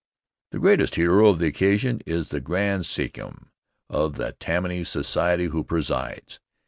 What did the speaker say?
The greatest hero of the occasion is the Grand Sachem of the Tammany Society who presides.